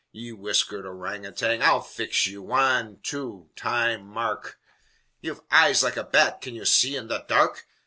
Ye whiskered orang outang, I'll fix you! Wan two! Time! Mark! Ye've eyes like a bat! can ye see in the dark?"